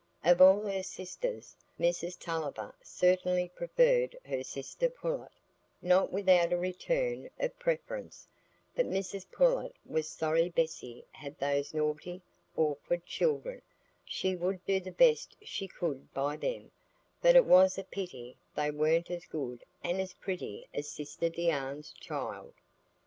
Of all her sisters, Mrs Tulliver certainly preferred her sister Pullet, not without a return of preference; but Mrs Pullet was sorry Bessy had those naughty, awkward children; she would do the best she could by them, but it was a pity they weren't as good and as pretty as sister Deane's child.